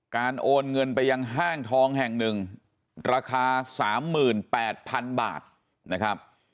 การโอนเงินไปยังแห้งธองแห่งหนึ่งราคา๓๘๐๐๐